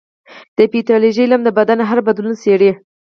د پیتالوژي علم د بدن هر بدلون څېړي.